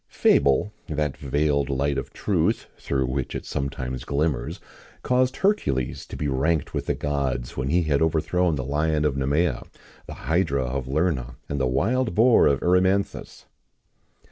[XIX 3] Fable, that veiled light of truth, through which it sometimes glimmers, caused Hercules to be ranked with the gods when he had overthrown the lion of Nemæa, the hydra of Lerna, and the wild boar of Erymanthus.